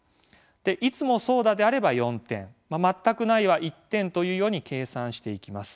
「いつもそうだ」であれば４点「まったくない」は１点というように計算していきます。